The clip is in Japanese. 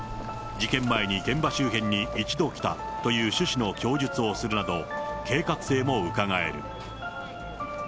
事件前に現場周辺に一度来たという趣旨の供述をするなど、計画性もうかがえる。